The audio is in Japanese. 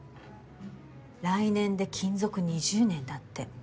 来年で勤続２０年だって。